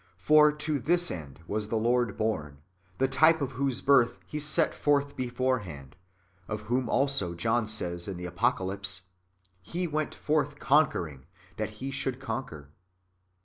For to this end was the Lord born, the type of whose birth he set forth beforehand, of whom also John says in the Apocalypse :'' He w^ent forth conquering, that He should conquer."